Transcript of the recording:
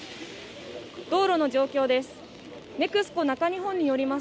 道路の状況です。